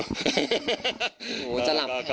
โอ้โหจะหลับ